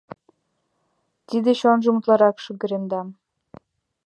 Тидыже чонжым утларак шыгыремда.